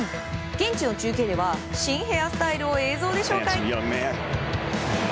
現地の中継では新ヘアスタイルを映像で紹介。